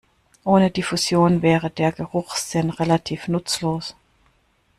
Ohne Diffusion wäre der Geruchssinn relativ nutzlos.